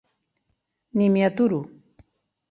Ni m'hi aturo.